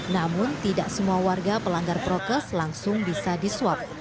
namun tidak semua warga pelanggar prokes langsung bisa diswab